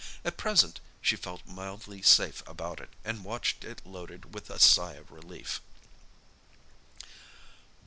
At present she felt mildly safe about it and watched it loaded with a sigh of relief.